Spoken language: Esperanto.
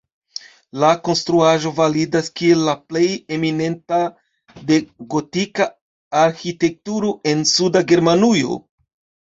La konstruaĵo validas kiel la plej eminenta de gotika arĥitekturo en suda Germanujo.